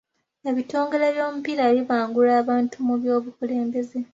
Ebitongole by'omupiira bibangula abantu mu by'obukulembeze.